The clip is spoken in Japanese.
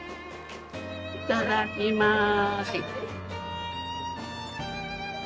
いただきます。